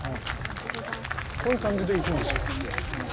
こういう感じで行くんでしょ。